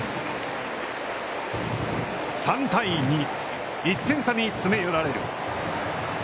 ３対２、１点差に詰め寄られる。